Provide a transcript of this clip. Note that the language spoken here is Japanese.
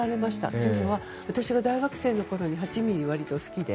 というのは私が大学生のころ８ｍｍとかが好きで。